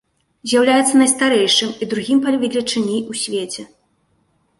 З'яўляецца найстарэйшым і другім па велічыні ў свеце.